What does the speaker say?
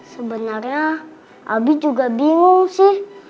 sebenarnya abi juga bingung sih